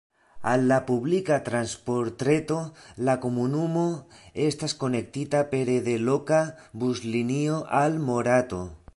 Al la publika transportreto la komunumo estas konektita pere de loka buslinio al Morato.